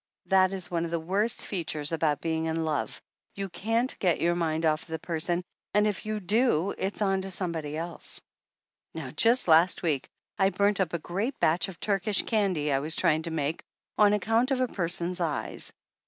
That is one of the worst features about being in love, you can't get your mind off of the person, and if you do it's on to somebody else. Now, just last week I burnt up a great batch of Turkish candy I was trying to make on account of a person's eyes.